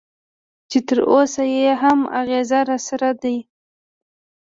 چې تراوسه یې هم اغېز راسره دی.